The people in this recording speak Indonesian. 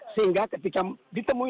sehingga ketika ditemui